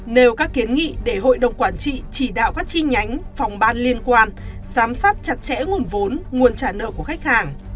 nêu các kiến nghị để hội đồng quản trị chỉ đạo các chi nhánh phòng ban liên quan giám sát chặt chẽ nguồn vốn nguồn trả nợ của khách hàng